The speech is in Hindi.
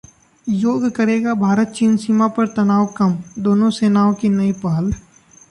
योग करेगा भारत-चीन सीमा पर तनाव कम, दोनों सेनाओं की नई पहल